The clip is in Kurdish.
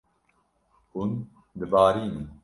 Hûn dibarînin.